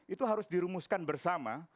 itu harus dirumuskan bersama